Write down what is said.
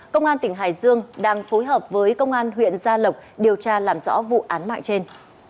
công an tỉnh hải dương đang phối hợp với công an huyện gia lộc điều tra làm rõ vụ án mạng trên